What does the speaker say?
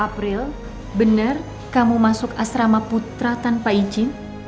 aprile bener kamu masuk asrama putra tanpa izin